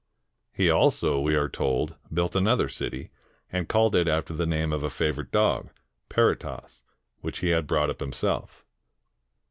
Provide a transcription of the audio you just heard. He also, we are told, built another city, and called it after the name of a favorite dog, Peritas, which he had brought up himself.